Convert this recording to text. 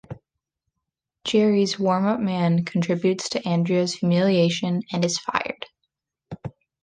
Jerry's Warm-Up Man contributes to Andrea's humiliation and is fired.